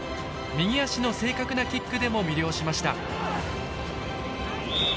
右足の正確なキックでも魅了しました。